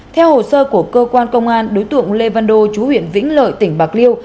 theo hồ sơ của cơ quan công an đối tượng lê văn đô chú huyện vĩnh lợi tỉnh bạc liêu